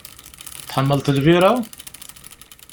Tḥemmleḍ lbira?